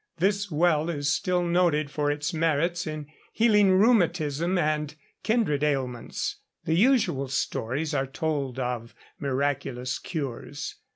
This well is still noted for its merits in healing rheumatism and kindred ailments. The usual stories are told of miraculous cures.